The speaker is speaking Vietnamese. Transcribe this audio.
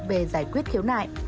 về giải quyết khiếu nại